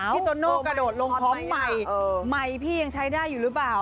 โซโน่กระโดดลงพร้อมไมค์ไมค์พี่ยังใช้ได้อยู่หรือเปล่า